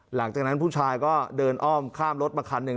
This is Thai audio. หลังจากนั้นผู้ชายก็เดินอ้อมข้ามรถมาคันหนึ่ง